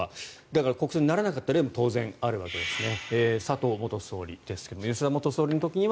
だから、国葬にならなかった例も当然あるわけですね。